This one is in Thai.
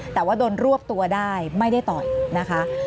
แต่ว่าโดนรวบตัวได้ไม่ได้ต่อยนะคะ